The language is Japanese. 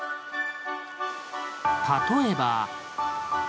例えば。